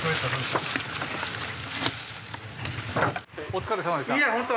お疲れさまでした。